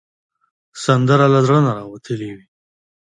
سندره له زړه نه راوتلې وي